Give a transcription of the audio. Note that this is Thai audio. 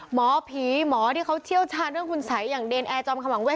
หมอผีหมอที่เขาเชี่ยวชาญเรื่องคุณสัยอย่างเนรนแอร์จอมขมังเวท